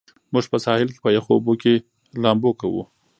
موږ په ساحل کې په یخو اوبو کې لامبو کوو.